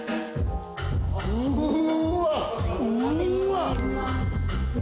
うわ！